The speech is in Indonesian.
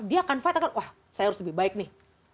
dia akan fight akan wah saya harus lebih baik nih